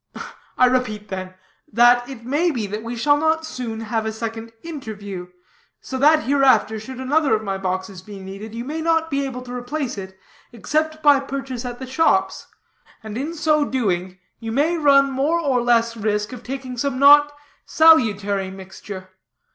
I repeat, then, that it may be that we shall not soon have a second interview, so that hereafter, should another of my boxes be needed, you may not be able to replace it except by purchase at the shops; and, in so doing, you may run more or less risk of taking some not salutary mixture.